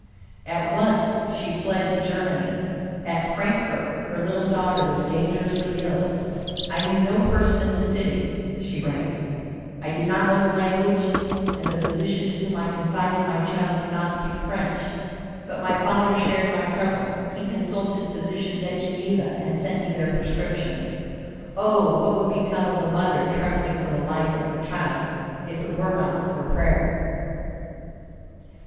At once she fled to Germany. At Frankfort her little daughter was dangerously ill. "I knew no person in the city," she writes. "I did not know the language; and the physician to whom I confided my child could not speak French. But my father shared my trouble; he consulted physicians at Geneva, and sent me their prescriptions. Oh, what would become of a mother trembling for the life of her child, if it were not for prayer!"